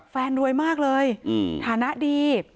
รวยมากเลยฐานะดี